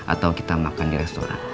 atau kita makan di restoran